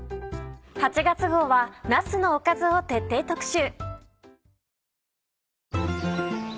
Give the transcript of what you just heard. ８月号はなすのおかずを徹底特集。